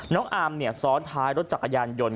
อามซ้อนท้ายรถจักรยานยนต์